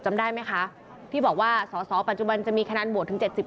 จำได้ไหมคะที่บอกว่าสอสอปัจจุบันจะมีคะแนนโหวตถึง๗๐